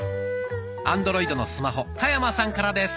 アンドロイドのスマホ田山さんからです。